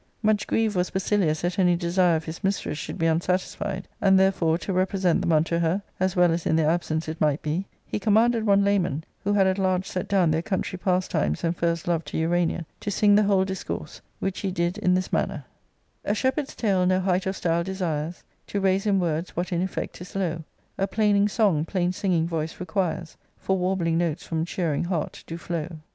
Much grieved was Basilius that any desire of his mistress should be unsatisfied ; and, therefore, to repre sent them unto her (as well as in their absence it might be), he commanded one Lamon, who had at large set down their country pastimes and first love to Urania, to sing the whole discourse, which he did in this manner* ;—" A SHEPHERD'S tale no height of style desires, ^^ To raise in words what in effect is low ; A plaining song plain singing voice requires. For warbling notes from cheering [heart do] flow.